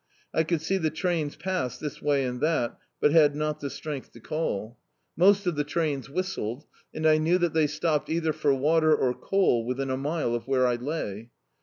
I could see the trains pass this way and that, but had not the strength to call. Most of the trains whistled, b,i.,.db, Google The Housc Boat and I knew that they stopped either for water or coal within a mile of where I lay.